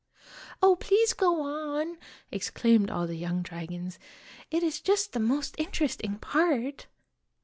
' "Oh, please go on," exclaimed all the young dragons; "it is just the most interesting part